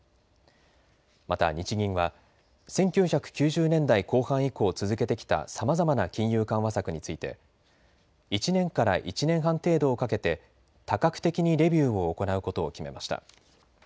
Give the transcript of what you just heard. また日銀は１９９０年代後半以降、続けてきたさまざまな金融緩和策について、１年から１年半程度をかけて多角的にレビューを行うことを決めました。